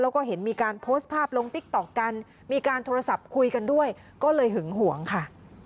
แล้วก็เห็นมีการโพสต์ภาพลงติ๊กต๊อกกันมีการโทรศัพท์คุยกันด้วยก็เลยหึงหวงค่ะ